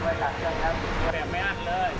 ก็ยังมีปัญหาราคาเข้าเปลือกก็ยังลดต่ำลง